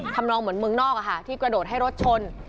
ทำนองเหมือนเมืองนอกที่กระโดดให้รถชน